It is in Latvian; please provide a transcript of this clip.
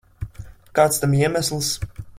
Kāds tam iemesls?